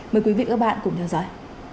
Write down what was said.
mời quý vị và các bạn cùng theo dõi